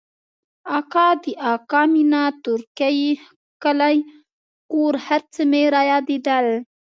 اکا د اکا مينه تورکى کلى کور هرڅه مې رايادېدل.